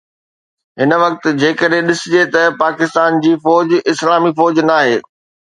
هن وقت جيڪڏهن ڏسجي ته پاڪستان جي فوج اسلامي فوج ناهي